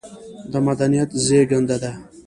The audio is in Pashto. د مدنيت زېږنده دى